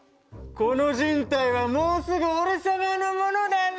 この人体はもうすぐ俺様のものだな。